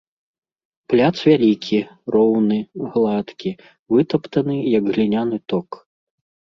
Пляц вялікі, роўны, гладкі, вытаптаны, як гліняны ток.